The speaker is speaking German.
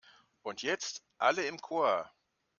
Und jetzt alle im Chor!